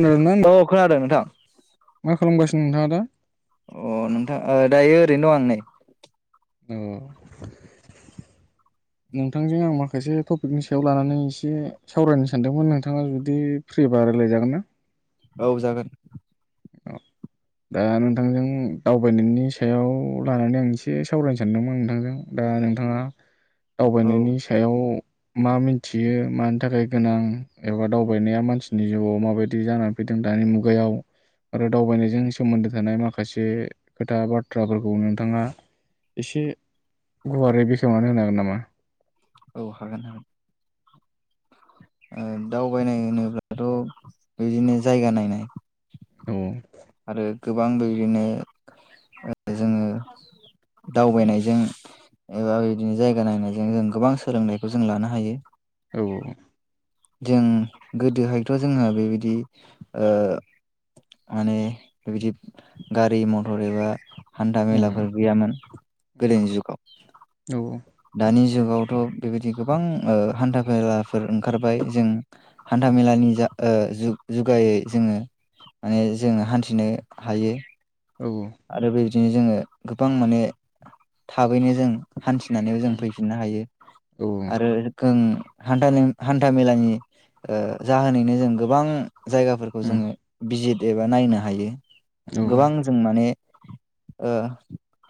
खोनादोंना औ खोनादों नोंथां मा खालामगासिनो [inaudible] अ नोंथां ओ दायो ओरैनो दं आं नै औ नोंथांजों आं माखासे टपिकनि सायाव लानानै एसे सावरायनो सानदोंमोन नोंथाङा जुदि फ्रिबा रायलाजागोन ना? औ जागोन । आ दा नोंथांजों दावबायनायनि सायाव लानानै आं एसे सावरायनो सानदोंमोन नोंथांजों दा नोंथाङा औ दावबायनायनि सायाव मा मिन्थियो मानि थाखाय गोनां एबा दावबायनाया मानसिनि जिउआव माबायदि जानानै फैदों दानि मुगायाव आरो दावबायनायजों सोमोन्दो थानाय माखासे खोथा बाथ्राफोरखौ नोंथाङा एसे गुवारै बेखेवनानै होनो हागोन नामा? औ हगोन हागोन । ओ दावबायनाय होनोब्लाथ' बिदिनो जायगा नायनाय औ आरो गोबां बेबायदिनो ओ जोङो दावबायनायजों ओ इदिनो जायगा नायनायजों जों गोबां सोलोंनायखौ जों लानो हायो । औ औ जों गोदोहायथ' जोङो बेबायदि ओ माने बेबायदि गारि मथर एबा हान्था मेलाफोर गैयामोन गोदोनि जुगाव दानि जुगावथ बेबायदि गोबां ओ हान्था फेलाफोर ओंखारबाय जों हान्था मेलानि जा ओ जु-जुगायै जोङो माने जोङो हान्थिनो हायो । आरो बे बिदिनो जोङो गोबां माने थाबैनो जों हान्थिनानैबो जों फैफिननो हायो । आरो ओं हान्थानि हान्था मेलानि जाहोनैनो जों गोबां जायगाफोरखौ जोङो भिजिट एबा नायनो हायो । गोबां जों माने ओ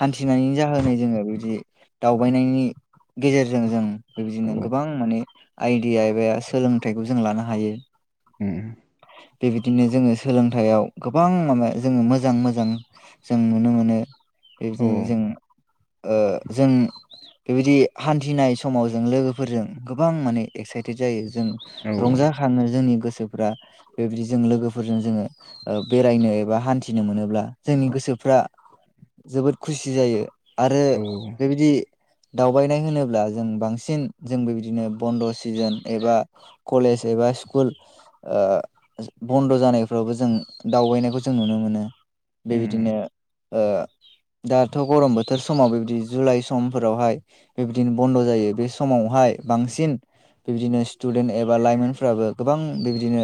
हान्थिनायनि जाहोनै जोङो बिदि दावबायनायनि गेजेरजों जों बेबायदिनो गोबां माने आइडिया एबा सोलोंथाइखौ जों लानो हायो बेबायदिनो जोङो सोलोंथायाइयाव गोबां माबा जोङो मोजां मोजां जों नुनो मोनो [inaudible] जों ओ जों बेबायदि हान्थिनाय समाव जों लोगोफोरजों गोबां माने एक्साइटेड जायो। जों रंजाखाङो जोंनि गो सोफ्रा बेबायदि जों लोगोफोरजों जोङो बेरायनो एबा हान्थिनो मोनोब्ला जोंनि गोसोफ्रा जोबोद खुसि जायो। आरो बेबायदि दावबायनाय होनोब्ला जों बांसिन जोंबो बिदिनो बन्द' सिजोन एबा कलेज एबा स्कुल ओ बन्द' जानायफ्रावबो जों दावबायनायखौ जों नुनो मोनो। बेबायदिनो ओ दाथ' गरम बोथोर समाव बेबायदि जुलाइ समफोरावहाय बेबादिनो बन्द' जायो बे समावहाय बांसिन बेबादिनो स्टुडेन्ट एबा लाइमोनफ्राबो गोबां बेबादिनो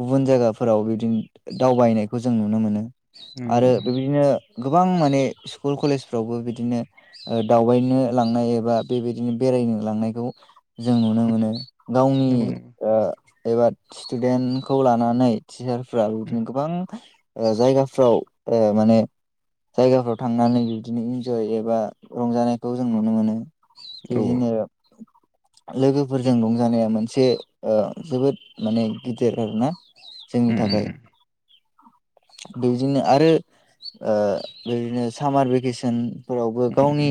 गुबुन जायगाफोराव बिदिनो दावबायनायखौ जों नुनो मोनो। आरो बेबायदिनो गोबां माने स्कुल कलेजफ्रावबो बिदिनो दावबायनो लांनाय एबा बेबायदिनो बेरायनो लांनायखौ जों नुनो मोनो गावनि ओ एबा स्टुदेन्टखौ लानानै टिचार फोराबो बिदिनो गोबां ओ जायगाफ्राव ओ माने जायगाफ्राव थांनानै बिबदिनो इन्जय एबा रंजानायखौ जों नुनो मोनो। बिदिनो लोगोफोरजों रंजानाया मोनसे ओ जोबोद माने गिदिर आरोना जोंनि थाखाय बेदिनो आरो ओ बेदिनो सामार भेकेसन फोरावबो गावनि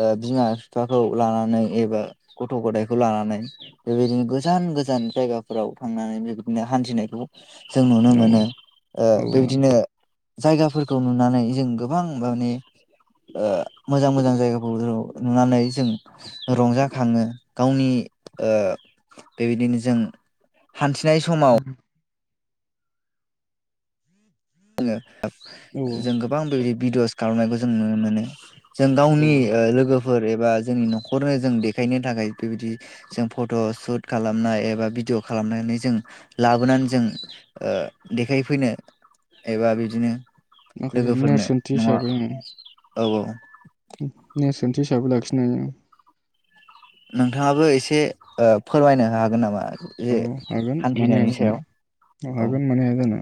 ओ बिमा बिफाखौ लानानै एबा गथ' गथायखौ लानानै बेबायदिनो गोजान गोजान जायगाफोराव थांनानै बेबायदिनो हान्थिनायखौ जों नुनो मोनो ओ बेबायदिनो जायगाफोरखौ नुनानै जों गोबां माने ओ मोजां मोजां जायगाफोरखौ नुनानै जों रंजाखाङो गावनि ओ बेबायदिनो जों हान्थि नाय समाव [unintelligible] जों गोबां बेबादि भिदिअस खालामनायखौ जों नुनो मोनो जों औ गावनि ओ लोगो फोर एबा जोंनि न'खरनो जों देखायनो थाखाय बेबायदि जों फट' सुट खालामनाय एबा भिडिअ' खालामनानै जों लाबोनानै जों ओ देखायफैनो एबा बिदिनो माखासे लोगोफोरनो नेरसोनथि नङा हिसाबै ओं औ नेर्सो थि हिसाबै लाखिनो हायो। नोंथाङाबो एसे ओ फोरमायनो हागोन नामा? औ जे हागोन मानो हाया हान्थिनायनि जानो, सायाव औ हागोन मानो हाया जानो।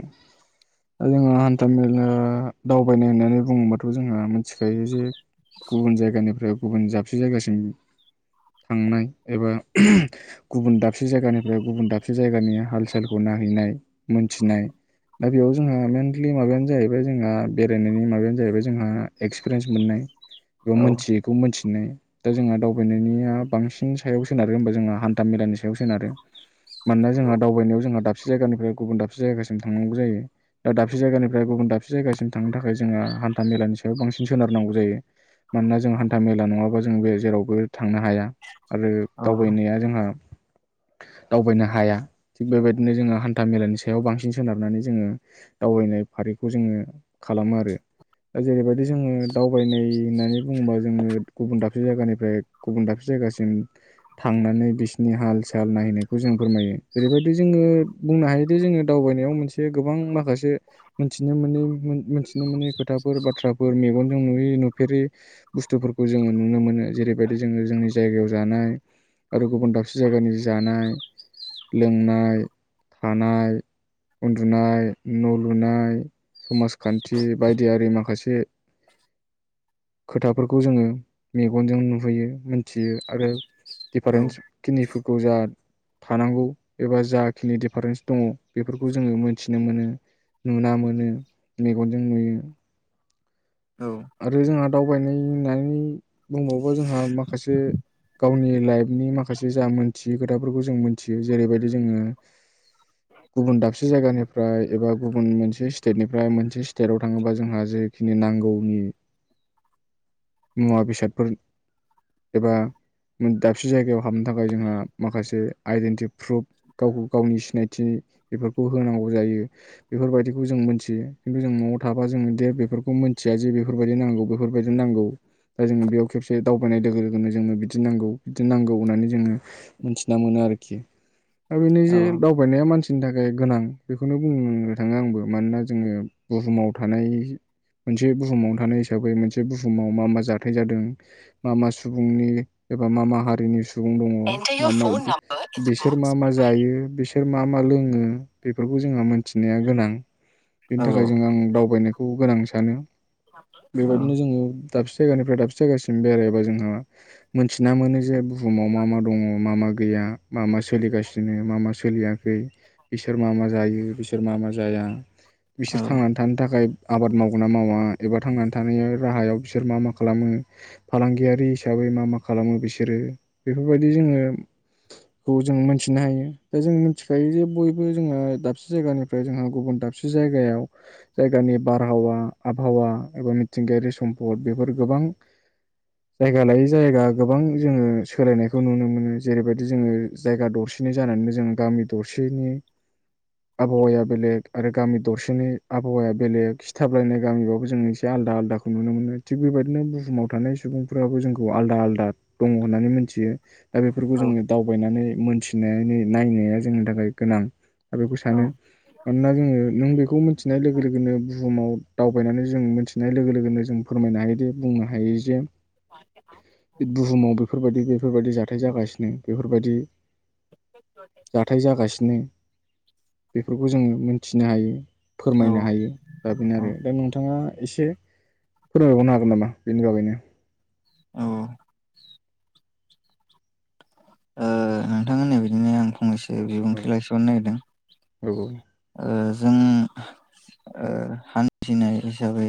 दा जोंङो हान्था मेला दावबायनाय होननानै बुङोबाथ' जोंहा मिथिखायो जे गुबुन जायगानिफ्राय गुबुन जाबसे जायगासिम थांनाय एबा गुबुन दाबसे जायगानि फ्राय गुबुन दाबसे जायगानि हाल सालखौ नायहैनाय मोनथिनाय दा बेयाव जोंहा मेनलि माबायानो जाहैबाय जोंहा बेरायनायनि माबायानो जाहैबाय जोंहा एक्सफिरियेन्स मोननाय। बे औ मोनथियैखौ मोनथि [unintelligible] दा जोंहा दावबायनायनिया बांसिन सायाव सोनारो होमबा जोंहा हान्था मेलानि सायाव सोनारो। मानोना जोंहा दावबायनायाव जोंहा दाब जायगानिफ्राय गुबुन दाबसे जायगासिम थांनांगौ जायो दा दाबसे जायगानिफ्राय गुबुन दाबसे जायगासिम थांनो थाखाय जोङो हान्था मेलानि सायाव बांसि सोनारनांगौ जायो मानोना जों हान्था मेला नङाबा जों बे जेरावबो थांनो हाया। आरो औ दावबायनाया जोंहा दावबायनो हाया थिग बेबायदिनो जोङो हान्था मेलानि सायाव बांसिन सोनारनानै जोङो दावबायनाय फारिखौ जोङो खालामो आरो दा जेरैबायदि जोङो दावबायनाय होननानै बुङोबा जोङो गुबुन दाब से जायगानिफ्राय गुबुन दाबसे जायगासिम थांनानै बिसिनि हाल सा साल नायहैनायखौ जों फोरमायो। जेरैबायदि जोङो बुंनो हायोदि जोङो दावबायनायाव मोनसे गोबां माखासे मोनथिनो मोनै मोनथिनो मोनै खोथाफोर बा थ्राफोर मेगनजों नुयै नुफेरै बुस्थुफोरखौ जोङो नुनो मोनो। जेरैबायदि जोङो जोंनि जायगायाव जानाय आरो गुबुन दाबसे जायगानि जानाय, लोंनाय, थानाय, उन्दुनाय, न' लुनाय समाजखान्थि बायदियारि माखासे खोथाफोरखौ जोङो मेगनजों नुहैयो मोनथियो आरो औ दिफारेन्स [unintelligible] जा थानांगौ एबा जाखिनि दिफारेन्स दङो बेफोरखौ जोङो मोनथिनो मोनो नुना मोनो मेगनजों नुयो। औ आरो जोंहा दावबायनाय होननानै बुंबावोबा जोंहा माखासे गावनि लाइफनि माखासे जा मोन थियै खोथाफोरखौ जों मिथियो जेरैबायदि जोङो गुबुन दाबसे जायगानिफ्राय एबा गुबुन मोनसे स्टेटनिफ्राय मोनसे स्टेटआव थाङोबा जोंहा जेखिनि नांगौनि मुवा बेसादफोर एबा दाबसे जायगायाव हाबनो थाखाय जोंहा माखासे आइडेन्टि प्रुफ गावखौ गावनि सिनायथि बेफोरखौ होनांगौ जायो। बेफोरबायदिखौ जों मोनथियो खिन्थु जों न'आव थाबा जों दे बेफोरखौ मोनथिया जे बेफोरबायदि नांगौ बेफोरबायदि नांगौ। दा जोङो बेयाव खेबसे दावबायनाय लोगो लोगोनो जोङो बिदि नांगौ बिदि नांगौ होननानै जोङो मोनथिना मोनो आरोखि। दा बेनो औ जे दावबायनाया मानसिनि था खाय गोनां बेखौनो बुंनो थाङो आंबो। मानोना जोङो बुहुमाव थानाय मोनसे बुहुमाव थानाय हिसाबै मोनसे बुहुमाव मा मा जाथाय जादों? मा मा सुबुंनि एबा मा मा हारिनि सुबुं दङ [unintelligible] [unintelligible] बिसोर मा मा जायो? बिसोर मा मा लो ङो बेफोरखौ जोङा मोन थिनाया गोनां बेनि औ थाखाय जों आं दावबायनाय खौ गोनां सानो। औ बेबायदिनो जोङो दाबसे जायगानिफ्राय दाबसे जायगासिम बेरायबा जोंहा मोनथिना मोनो जे बु हुमाव मा मा दङ' मा मा गैया मा मा सोलिगासिनो मा मा सोलियाखै बिसोर मा मा जायो बिसोर मा मा जाया बिसोर औ थांनानै थानो थाखाय आबाद मावगोन ना मावा एबा थांनानै थानायनि राहायाव बिसोर मा मा खालामो फालांगियारि हिसाबै मा मा खालामो बिसोरो बेफोरबायदि जोङो खौ जों मोनथिनो हायो दा जों मिथिखायो जे बयबो जोंहा दाबसे जायगानिफ्राय जोंहा गुबुन दाबसे जायगायाव जायगानि बारहावा आबहावा एबा मिथिंगायारि सम्फद बेफोर गोबां जायगा लायै जायगा गोबां जोङो सोलायनायखौ नुनो मोनो। जेरैबायदि जोङो जायगा दरसेनि जानानैनो जों गामि दरसेनि आबहावाया बेलेग आरो गामि दरसेनि आबहावाया बेलेग खिथाबलायनाय गामिबाबो जों एसे आलदा आलादाखौ नुनो मोनो थिग बेबायदिनो बुहुमाव थानाय सुबुंफ्राबो जोंखौ आलादा आलादा दङ होननानै मोनथियो। बेफोरखौ जोङो दावबायनानै मोनथि नायनाया जोंनि थाखाय गोनां। दा बेखौ सानो मानोना जोङो नों बेखौ मिथिनाय लोगो लोगोनो बुहुमाव दावबायनानै जों मिथिनाय लोगो लोगोनो जों फोरमायनो हायोदि बुंनो हायो जे बुहुमाव बेफोरबायदि बेफोरबायदि जाग [unintelligible] बेफोरबायदि जाथाय जागासिनो बेफोरखौ जोङो मोनथिनो हायो‌। औ फोरमायनो हायो दा बेनो आरो दा नोंथाङा एसे फोरमायबावनो हागोन नामा बेनि बागैनो? औ। ओ नोंथां होननाय बादिनो आं फंनैसै औ बिबुंथि लाखिबावनो नागिरदों। औ औ ओ जों हान्थिनाय हिसाबै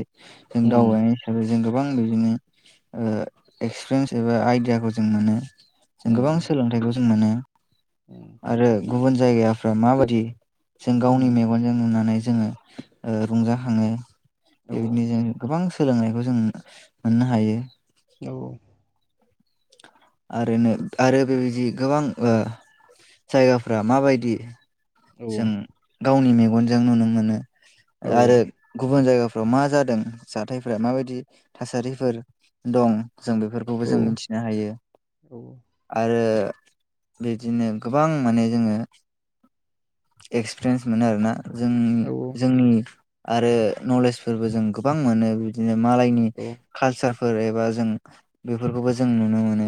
जों उम दावबायनाय हिसाबै जों गोबां बिदिनो एक्सपिरियेन्स एबा आइडियाखौ जों मोनो जों उम गोबां सोलोंथाइखौ जों मानो । आरो गुबुन जायगाफ्रा माबायदि? जों उम गावनि मेगनजों नुनानै जोङो रंजाखाङो। औ बेबायदिनो जों गोबां सोलोंनायखौ जों मोननो हायो। औ। आरो नो आरो बेबायदि गोबां ओ जायगाफ्रा माबायदि? जों गावनि मेगन गनजों नुनो मोनो। औ आरो गुबुन जायगा फाव मा जादों जाथायफोरा माबायदि थासारिफोर दं जों बेफोरखौबो जों मिथिनो हायो आरो बिदिनो गोबां माने जोङो एक्सपिरियेन्स मोनो आरोना। जों औ जोंनि। आरो नलेजफोरबो जों गोबां मोनो बिदिनो। मालायनि औ कालचार। फोर एबा जों बेफोरखौबो जों नुनो मोनो।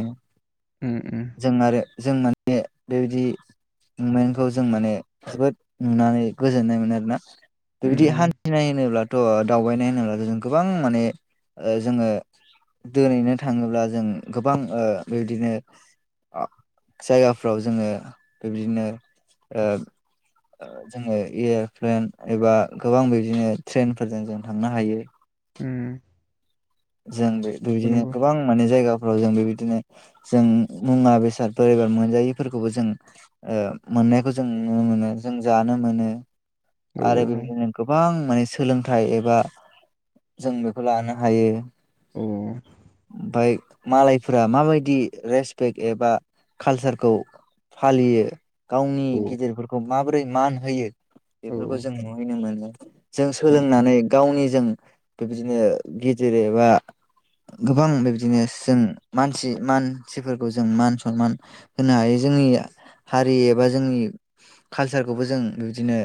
उम उम जों आरो। जों माने बेबायदि ममेन्टखौ जों माने जोबोद नुनानै गोजोननाय मोनो आरोना। बिबायदि उम हान्थिनाय होनोब्ला। थ दावबायनाय होनोब्ला जों गोबां माने ओ जोङो दोनैनो थाङोब्ला जों गोबां ओ बिबदिनो आं जायगाफ्राव जोङो बिबदिनो ओ ओ जोङो एयार'प्लेन एबा गोबां बिदिनो ट्रेनफोरजों जों थांनो हायो। उम जों बे नंगौ बिदिनो नंगौ गोबां माने जायगा। फोराव जों बेबायदिनो जों मुवा बेसादफोर [unintelligible] मोनजायैफोरखौबो जों ओ मोननायखौ जों नुनो मोनो जों जानो मोनो। औ आरो बेबायदिनो गोबां माने सोलोंथाइ एबा जों बेखौ लानो हायो। औ बाय। मालायफोरा माबायदि रेसपेक एबा कालसारखौ फालियो। गावनि औ गिदिरफोरखौ। माबोरै मान होयो। औ बेफोरखौ जों नुहैनो मोनो। जों सोलोंनानै गावनि जों बेबायदिनो गिदिर ओ। एबा गोबां बिबदिनो जों मानसि मानसिफोरखौ जों मान सनमान होनो हायो जोंनि हारि एबा जोंनि कालसारखौबो जों बिब्दिनो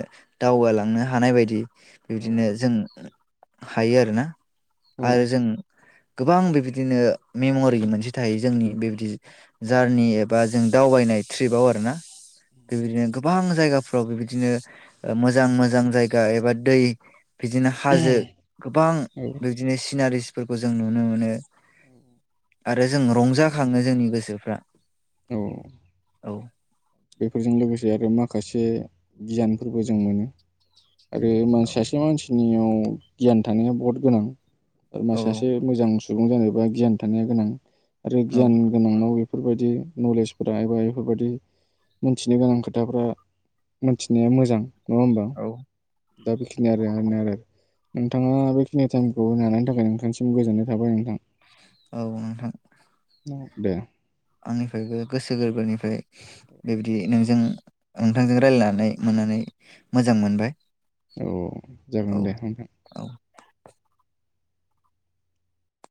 दावगालांनो हानाय बायदि। बेबादिनो जों। हायो आरोना। आरो औ जों। गोबां बेबायदिनो मेमरि मोनसे थायो जोंनि बेबादि। जारनि एबा जों। दावबायनाय ट्रिपाव आरोना। बेबादिनो गोबां जायगाफ अ बेबिदिनो मोजां मोजां जायगा एबा दै। बिदिनो हाजो गोबां औ बिदिनो सि रिलस फोरखौ जों नुनो मोनो आरो जों रंजाखाङो जोंनि गोसोफ्रा औ औ। बेफोरजों लोगोसे आरो माखासे गियानफोरबो जों मोनो। आरो मानसि सासे मानसि। नियाव गियान थानाया बहुत गोनां। औ सासे मोजां सु सुबुं जानायोबा गियान थानाया गोनां आरो औ गियान गोनांनाव बेफोरबायदि नलेजफोरा एबा बेफोरबायदि मिथिनो गोनां खोथाफ्रा मोनथिनाया मोजां नंङा होमबा औ दा बेखिनि आरो नोरो नोंथाङा बेखिनि टाइमखौ नानायनि थाखाय नोंथांसिम गोजोननाय थाबाय नोंथां औ नोंथां औ दे आंनिफ्रायबो गोसो गोरबोनिफ्राय बेबायदि नोंजों नोंथांजों रायजलायनानै मोननानै मोजां मोनबाय औ जागोन औ दे होनथां औ [inaudible]